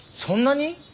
そんなに。